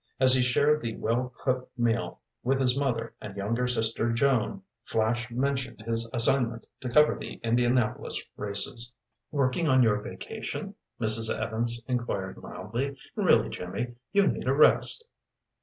As he shared the well cooked meal with his mother and younger sister, Joan, Flash mentioned his assignment to cover the Indianapolis races. "Working on your vacation?" Mrs. Evans inquired mildly. "Really, Jimmy, you need a rest."